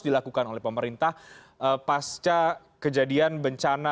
dilakukan oleh pemerintah pasca kejadian bencana